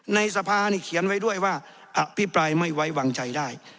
ในสภานี่เขียนไว้ด้วยว่าอภิปรายไม่ไว้วางใจได้